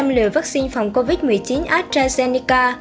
một trăm năm mươi tám trăm linh lửa vắc xin phòng covid một mươi chín astrazeneca